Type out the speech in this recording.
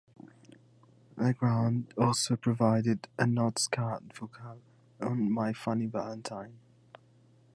Legrand also provided an odd scat vocal on "My Funny Valentine".